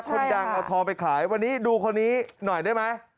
คนดังเอาทองไปขายวันนี้ดูคนนี้หน่อยได้ไหม